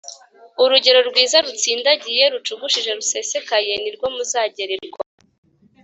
urugero rwiza rutsindagiye, rucugushije, rusesekaye ni rwo muzagererwa